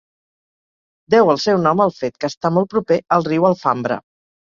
Deu el seu nom al fet que està molt proper al riu Alfambra.